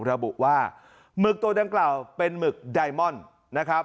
ระบุว่าหมึกตัวดำเกล่าเป็นหมึกไดมอนด์